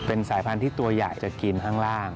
เป็นสายพันธุ์ที่ตัวใหญ่จะกินข้างล่าง